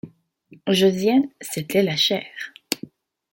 Josiane, c’était la chair.